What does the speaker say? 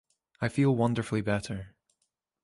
I feel wonderfully better.